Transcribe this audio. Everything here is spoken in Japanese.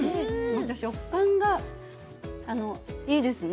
食感がいいですね。